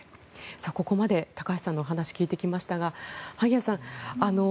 ここまで、高橋さんのお話を聞いてきましたが萩谷さん